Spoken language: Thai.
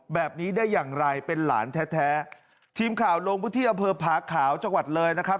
แบบนี้ได้อย่างไรเป็นหลานแท้แท้ทีมข่าวลงพื้นที่อำเภอผาขาวจังหวัดเลยนะครับ